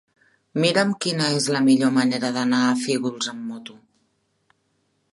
Mira'm quina és la millor manera d'anar a Fígols amb moto.